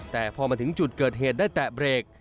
แต่พอมาถึงจุดเกิดเหตุได้แตะเบรก